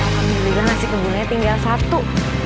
kamila masih kembunnya tinggal satu